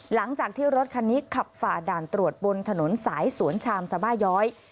หลังจากที่รถคันนี้ขับฝ่าด่านตรวจบนถนนสายสวนชามสบาย้อย